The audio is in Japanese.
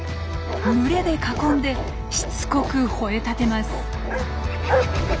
群れで囲んでしつこく吠えたてます。